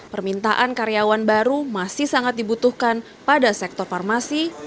permintaan karyawan baru masih sangat dibutuhkan pada sektor farmasi